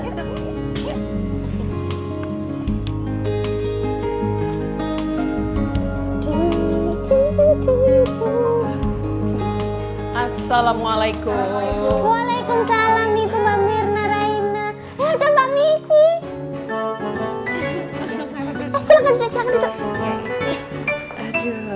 assalamualaikum waalaikumsalam ibu mbak mirna raina dan mbak michi